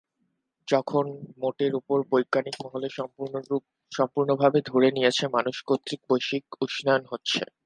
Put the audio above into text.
যখন মোটের উপর বৈজ্ঞানিক মহলে সম্পুর্ণভাবে ধরে নিয়েছে মানুষ কর্তৃক বৈশ্বিক উষ্ণায়ন হচ্ছে।